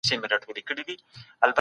که پانګونه وسي، اقتصاد به وده وکړي.